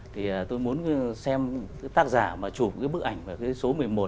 thì tôi muốn xem tác giả mà chụp cái bức ảnh số một mươi một